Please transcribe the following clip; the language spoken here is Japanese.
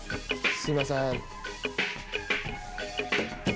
すいません。